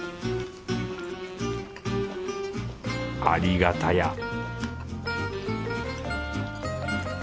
ありがたや